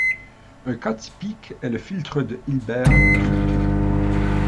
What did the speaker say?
Un cas typique est le filtre de Hilbert tronqué.